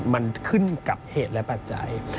มันขึ้นกับเหตุและปัจจัย